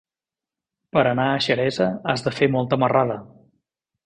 Per anar a Xeresa has de fer molta marrada.